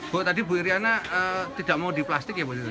bu tadi bu iryana tidak mau di plastik ya bu